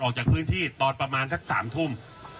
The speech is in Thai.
ออกจากพื้นที่ตอนประมาณสัก๓ทุ่ม